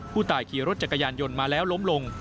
ผู้ตายขี่รถจักรยานยนต์มาแล้วล้มลง